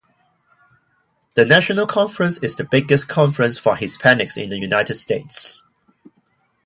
The National Conference is the biggest conference for Hispanics in United States.